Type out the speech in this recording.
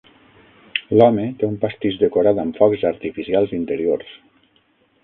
L'home té un pastís decorat amb focs artificials interiors.